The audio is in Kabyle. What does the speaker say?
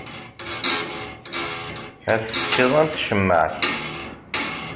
Ad tfettiḍ am tcemmaεt.